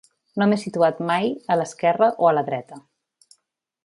No m’he situat mai a l’esquerra o a la dreta.